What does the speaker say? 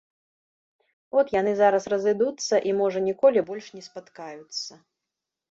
От яны зараз разыдуцца і, можа, ніколі больш не спаткаюцца.